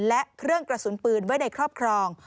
และเครื่องกระสุนปืนไว้ในครอบครอง